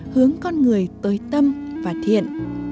hướng con người tới tâm và thiện